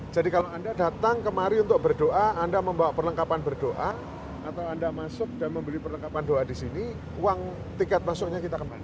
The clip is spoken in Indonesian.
jadi kalau anda datang kemari untuk berdoa anda membawa perlengkapan berdoa atau anda masuk dan membeli perlengkapan doa disini uang tiket masuknya kita kembalikan